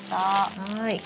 はい。